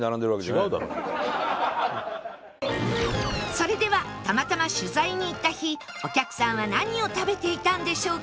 それではたまたま取材に行った日お客さんは何を食べていたんでしょうか？